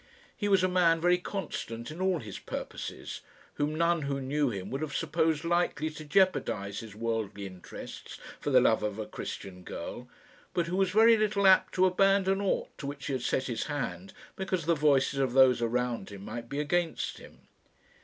He was a man very constant in all his purposes, whom none who knew him would have supposed likely to jeopardise his worldly interests for the love of a Christian girl, but who was very little apt to abandon aught to which he had set his hand because the voices of those around him might be against him.